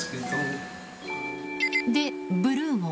で、ブルーも。